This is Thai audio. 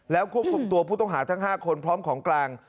แล้วควบคุมตัวผู้ต้องหาทั้ง๕คนพร้อมของกลาง